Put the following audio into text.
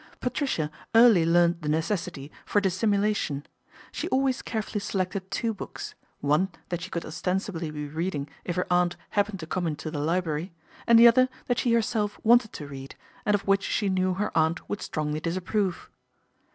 Patricia early learnt the necessity for dissimu lation. She always carefully selected two books, one that she could ostensibly be reading if her aunt happened to come into the library, and the other that she herself wanted to read, and of which she knew her aunt would strongly dis approve.